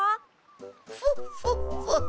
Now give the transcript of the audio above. フォッフォッフォッ。